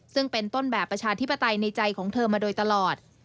ซึ่งเป็นต้นแบบประชาธิปไตยในใจของเธอมาโดยตลอด